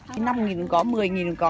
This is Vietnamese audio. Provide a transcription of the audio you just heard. năm đồng có một mươi đồng có